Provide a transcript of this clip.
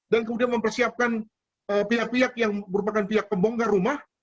dan kemudian mempersiapkan pihak pihak yang merupakan pihak pembongkar rumah